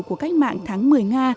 của cách mạng tháng một mươi nga